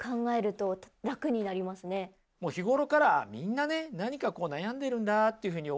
日頃からみんなね何か悩んでいるんだっていうふうに思えばね。